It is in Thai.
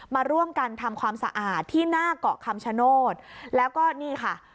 มาร่วมกันทำความสะอาดที่หน้าเกาะคำชโนธแล้วก็นี่ค่ะ